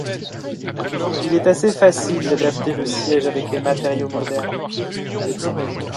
Il est assez facile d'adapter le siège avec les matériaux modernes.